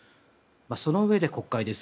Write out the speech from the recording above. そのうえで、国会です。